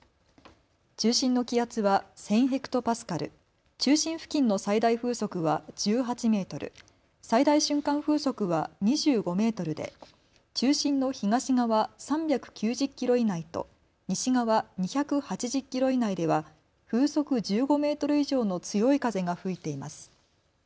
中心の気圧は１０００ヘクトパスカル、中心付近の最大風速は１８メートル、最大瞬間風速は２５メートルで中心の東側３９０キロ以内と西側２８０キロ以内では風速１５メートル以上の強い風が吹いています。